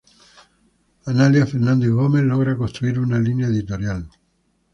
Analía Fernanda Gómez, lograr construir una línea editorial.